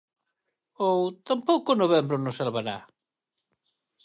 Ou "tampouco novembro nos salvará"?